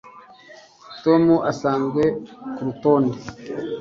Tom asanzwe kurutonde